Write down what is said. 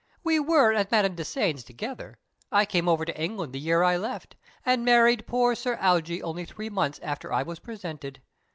We were at Madame de Sain's together. I came over to England the year I left, and married poor Sir Algy only three months after I was presented."